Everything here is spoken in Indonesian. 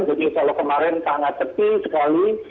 jadi selalu kemarin sangat sepi sekali